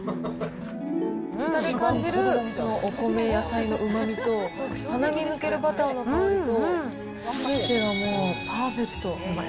舌で感じるお米、野菜のうまみと、鼻に抜けるバターの香りと、すべてがもうパーフェクト。